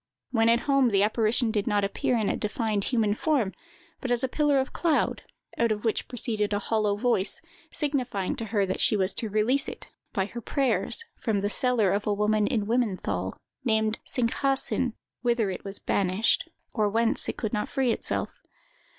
When at home, the apparition did not appear in a defined human form, but as a pillar of cloud, out of which proceeded a hollow voice, signifying to her that she was to release it, by her prayers, from the cellar of a woman in Wimmenthal, named Singhaasin, whither it was banished, or whence it could not free itself.